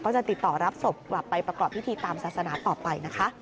จะติดต่อรับศพกลับไปประกอบพิธีตามศาสนาต่อไปนะคะ